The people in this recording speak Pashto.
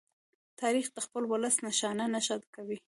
تاریخ د خپل ولس نښان نښه کوي.